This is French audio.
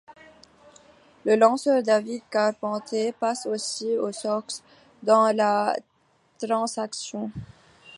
Le lanceur David Carpenter passe aussi aux Sox dans la transactions.